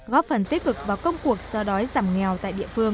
góp phần tích cực vào công cuộc so đói giảm nghèo tại địa phương